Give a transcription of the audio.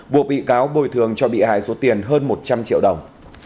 buộc bị cáo bồi thường cho bị hại số tiền hơn một trăm linh triệu đồng